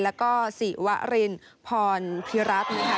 แล้วก็สีวะรินพรพิรัฐนะคะ